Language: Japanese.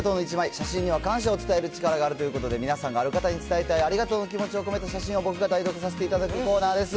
写真には感謝を伝える力があるということで、皆さんがある方に伝えたいありがとうの気持ちを込めた写真を僕が代読させていただくコーナーです。